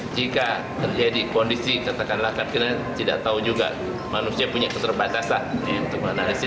jika terjadi kondisi katakanlah tidak tahu juga manusia punya keterbatasan